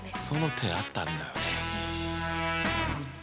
その手あったんだよね。